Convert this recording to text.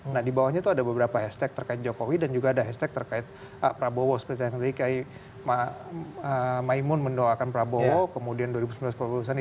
nah dibawahnya itu ada beberapa hashtag terkait jokowi dan juga ada hashtag terkait prabowo seperti tadi maimun mendoakan prabowo kemudian dua ribu sembilan belas prabowo sani